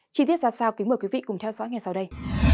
chi tiết ra sao kính mời quý vị cùng theo dõi ngay sau đây